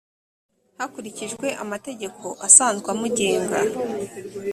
hakurikijwe amategeko asanzwe amugenga